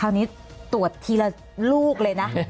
นี้ตรวจทีละลูกเลยนะ